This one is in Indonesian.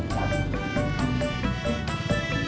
udah berhenti